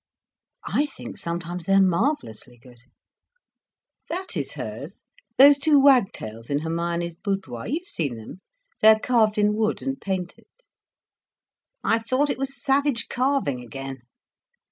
"I think sometimes they are marvellously good. That is hers, those two wagtails in Hermione's boudoir—you've seen them—they are carved in wood and painted." "I thought it was savage carving again."